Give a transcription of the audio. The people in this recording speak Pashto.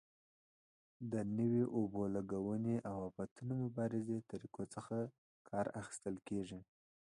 د نویو اوبه لګونې او آفتونو مبارزې طریقو څخه کار اخیستل کېږي.